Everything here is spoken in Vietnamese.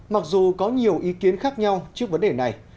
mặc dù có nhiều ý kiến khác nhau trước vấn đề này